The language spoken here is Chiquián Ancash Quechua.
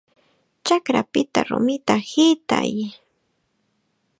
¡Chakrapita rumita hitay!